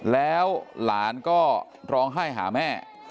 แล้วหลานก็ร้องไห้หาแม่